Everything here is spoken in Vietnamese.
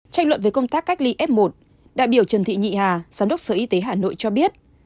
tranh luận về công tác cách ly f một đại biểu trần thị nhị hà giám đốc sở y tế hà nội cho biết